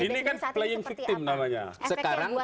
efeknya buat elektoral pbb sendiri sekarang